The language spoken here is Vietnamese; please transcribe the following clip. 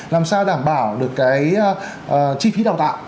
làm sao đảm bảo được cái chi phí đào tạo